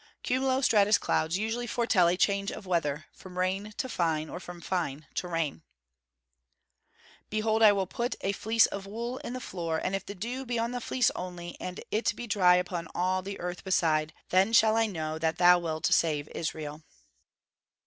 _ Cumulo stratus clouds usually foretell a change of weather from rain to fine, or from fine to rain. (Fig. 9.) [Illustration: Fig. 10. NIMBUS, OR STORM CLOUD.] [Verse: "Behold, I will put a fleece of wool in the floor; and if the dew be on the fleece only, and it be dry upon all the earth beside, then shall I know that thou wilt save Israel."